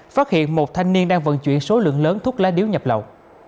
phát hiện một thanh niên đang vận chuyển số lượng lớn thuốc lá điếu nhập lậu